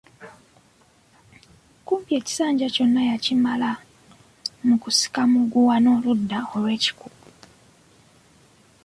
Kumpi ekisanja kyonna yakimala mu kusika muguwa n’oludda lw’ekikugu.